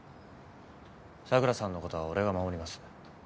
桜さんのことは俺が守ります。